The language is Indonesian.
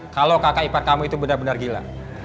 kalau kakak ipar kamu itu benar benar gila